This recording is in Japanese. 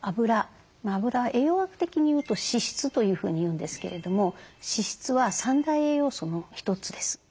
あぶらは栄養学的に言うと脂質というふうに言うんですけれども脂質は３大栄養素の一つです。